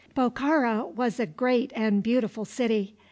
Bokhara was a great and beautiful city.